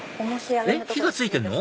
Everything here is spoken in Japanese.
えっ火が付いてるの？